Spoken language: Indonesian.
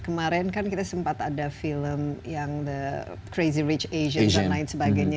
kemarin kan kita sempat ada film yang the crazy rich asians dan lain sebagainya